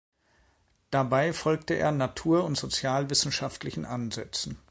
Dabei folgte er natur- und sozialwissenschaftlichen Ansätzen.